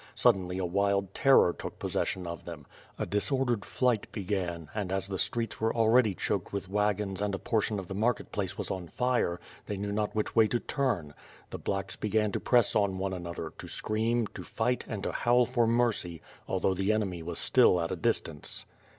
Suddenly a wild terror took possession of them. A disordered flight began and, as .the streets were already choked with wagons and a portion of the market place was on fire, they knew not which way to turn. The *^lacks" began to press on one another, to scream, to fight, and to howl for mercy, although the enemy was still at a distance.